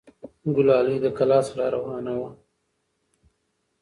ګلالۍ له کلا څخه راروانه وه.